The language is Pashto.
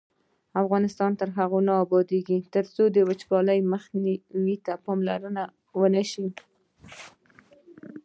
افغانستان تر هغو نه ابادیږي، ترڅو د وچکالۍ مخنیوي ته پام ونشي.